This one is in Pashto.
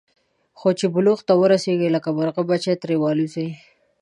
خو چې بلوغ ته ورسېږي، لکه د مرغۍ بچي ترې والوځي.